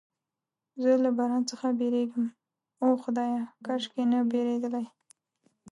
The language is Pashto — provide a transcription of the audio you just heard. زه له باران څخه بیریږم، اوه خدایه، کاشکې نه بیریدلای.